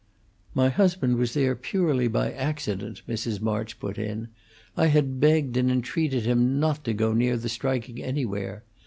"My husband was there purely by accident," Mrs. March put in. "I had begged and entreated him not to go near the striking anywhere.